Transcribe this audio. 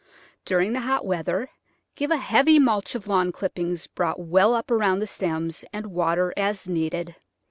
During the hot weather, give a heavy mulch of lawn clippings brought well up around the stems, and wa ter as needed.